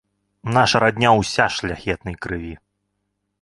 Наша радня ўся шляхетнай крыві.